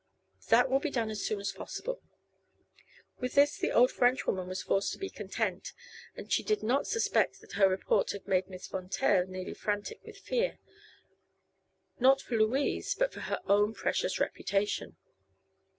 "That will be done as soon as possible." With this the old Frenchwoman was forced to be content, and she did not suspect that her report had made Miss Von Taer nearly frantic with fear not for Louise but for her own precious reputation.